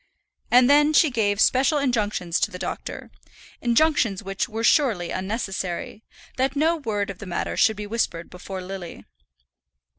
And then she gave special injunctions to the doctor injunctions which were surely unnecessary that no word of the matter should be whispered before Lily.